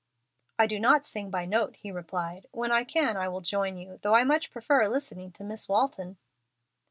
"I do not sing by note," he replied. "When I can I will join you, though I much prefer listening to Miss Walton."